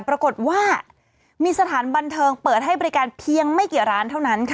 ปรากฏว่ามีสถานบันเทิงเปิดให้บริการเพียงไม่กี่ร้านเท่านั้นค่ะ